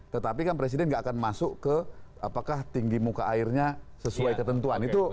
tetapi kan presiden nggak akan masuk ke apakah tinggi muka airnya sesuai ketentuan